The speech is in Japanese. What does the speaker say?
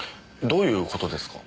どういう事ですか？